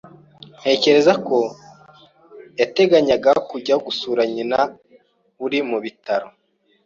Ntekereza ko yateganyaga kujya gusura nyina uri mu bitaro.